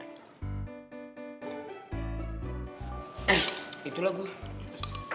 eh itulah gue